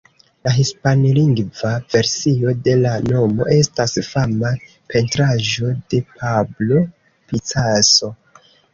La hispanlingva versio de la nomo estas fama pentraĵo de Pablo Picasso.